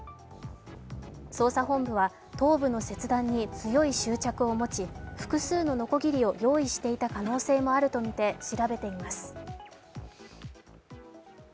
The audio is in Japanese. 捜査本部は、頭部の切断に強い執着を持ち複数ののこぎりを用意していた可能性もあるとみて調べています。